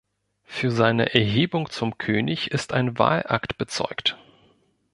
Für seine Erhebung zum König ist ein Wahlakt bezeugt.